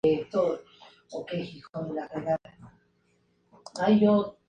Le dije: "¡Para el auto!